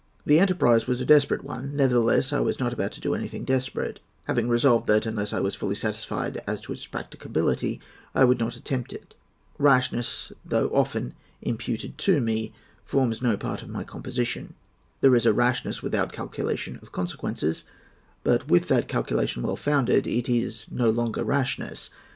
The enterprise was a desperate one; nevertheless, I was not about to do anything desperate, having resolved that, unless I was fully satisfied as to its practicability, I would not attempt it. Rashness, though often imputed to me, forms no part of my composition. There is a rashness without calculation of consequences; but with that calculation well founded, it is no longer rashness.